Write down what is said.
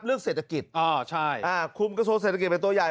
เลือกเศรษฐกิจอ่อใช่อ่าคลุมกระโสเศรษฐกิจเป็นตัวใหญ่